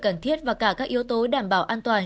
cần thiết và cả các yếu tố đảm bảo an toàn